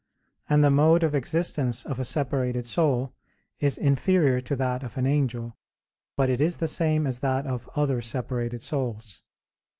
And the mode of existence of a separated soul is inferior to that of an angel, but is the same as that of other separated souls.